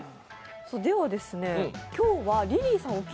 では、今日はリリーさん